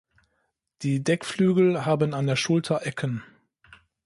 Die Deckflügel haben an der Schulter Ecken.